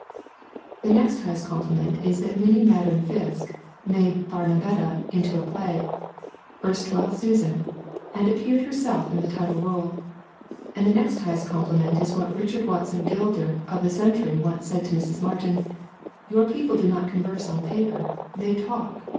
The next highest compliment is the fact that Minnie Maddern Fiske made Barnabetta into a play, Erstwhile Susan, and appeared herself in the title role. And the next highest compliment is what Richard Watson Gilder of the Century once said to Mrs. Martin : "Your peo ple do not converse on paper they talk.